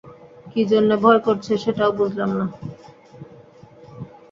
কী জন্যে ভয় করছে সেটাও বুঝলাম না।